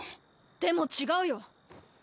でも違うよ！